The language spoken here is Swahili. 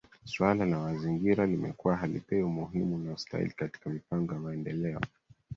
Suala la mazingira limekuwa halipewi umuhimu unaostahili katika mipango ya maendeleo